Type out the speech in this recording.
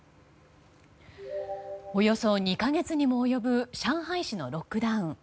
およそ２か月にも及ぶ上海市のロックダウン。